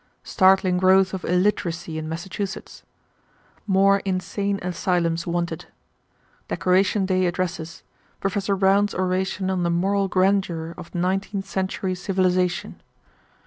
Startling growth of illiteracy in Massachusetts. More insane asylums wanted. Decoration Day addresses. Professor Brown's oration on the moral grandeur of nineteenth century civilization."